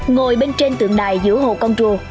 ngồi bên trên tượng đài giữa hồ công rùa